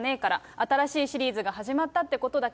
新しいシリーズが始まったってことだけ。